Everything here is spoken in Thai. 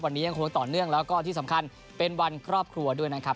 วันนี้ยังคงต่อเนื่องแล้วก็ที่สำคัญเป็นวันครอบครัวด้วยนะครับ